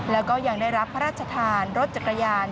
แล้วก็ยังได้รับพระราชทานรถจักรยาน